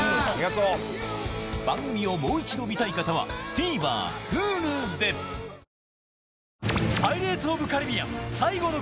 番組をもう一度見たい方はＴＶｅｒＨｕｌｕで・あっ！！